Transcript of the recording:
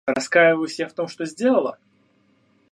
Раскаиваюсь я в том, что сделала?